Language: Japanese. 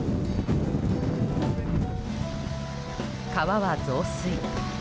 川は増水。